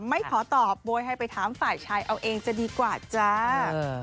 ไม่ขอตอบโวยให้ไปถามฝ่ายชายเอาเองจะดีกว่าจ้า